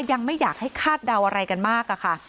ยังไม่อยากให้คาดเดาอะไรกันมากอะค่ะ